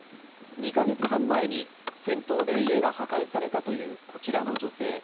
２か月半前に戦闘で家が破壊されたというこちらの女性。